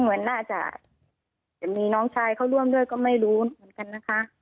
เหมือนน่าจะจะมีน้องชายเขาร่วมด้วยก็ไม่รู้เหมือนกันนะคะ